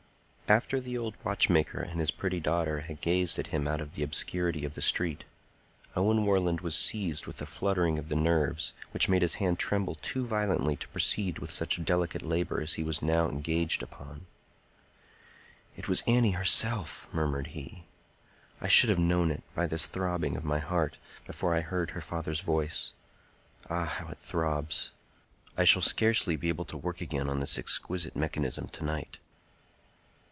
After the old watchmaker and his pretty daughter had gazed at him out of the obscurity of the street, Owen Warland was seized with a fluttering of the nerves, which made his hand tremble too violently to proceed with such delicate labor as he was now engaged upon. "It was Annie herself!" murmured he. "I should have known it, by this throbbing of my heart, before I heard her father's voice. Ah, how it throbs! I shall scarcely be able to work again on this exquisite mechanism to night.